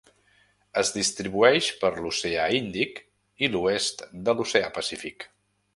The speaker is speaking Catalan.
Es distribueix per l'Oceà Índic i l'oest de l'Oceà Pacífic.